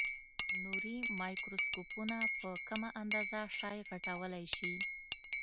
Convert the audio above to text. نوري مایکروسکوپونه په کمه اندازه شی غټولای شي.